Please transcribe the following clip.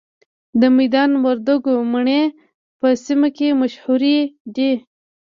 د میدان وردګو مڼې په سیمه کې مشهورې دي.